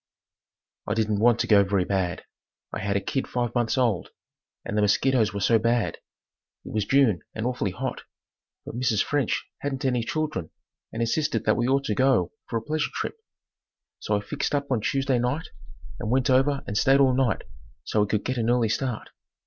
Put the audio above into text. I didn't want to go very bad. I had a kid five months old and the mosquitoes were so bad. It was June and awfully hot. But Mrs. French hadn't any children and insisted that we ought to go for a pleasure trip. So I fixed up on Tuesday night and went over and stayed all night so we could get an early start.